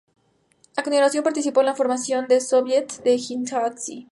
A continuación, participó en la formación del sóviet de Jiangxi.